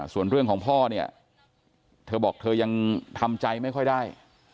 ส่วนเรื่องของพ่อเนี่ยเธอบอกเธอยังทำใจไม่ค่อยได้